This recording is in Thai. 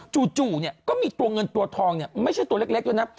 จู่ก็มีตัวเงินตัวทองไม่ใช่ตัวเล็กเลยนะ